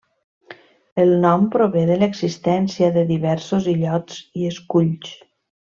El nom prové de l'existència de diversos illots i esculls.